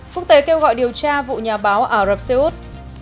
quốc tế kêu gọi điều tra vụ nhà báo ả rập xê út